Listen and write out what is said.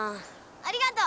ありがとう！